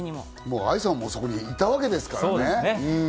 愛さんもそこにいたわけですからね。